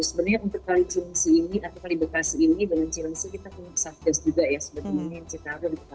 sebenarnya untuk kali cilungsi ini atau kali bekasi ini dengan cilungsi kita punya sukses juga ya seperti yang citaro berkata